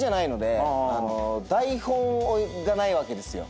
台本がないわけですよ。